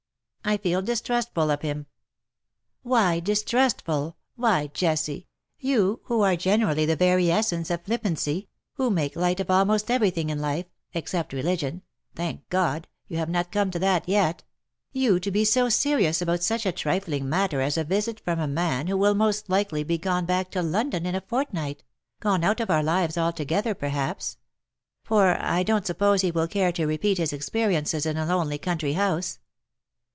I feel distrustful of him." '64 "Why distrustful? Why, Jessie, you who are gene rally the very essence of flippancy — who make light of almost everything in life — except religion — thank God, you have not come to that yet !— you to be so serious about such a trifling matter as a visit from a man who will most likely be gone back to London in a fortnight — gone out of our lives altogether, perhaps : for I don't suppose he will care to repeat his experiences in a lonely country house.''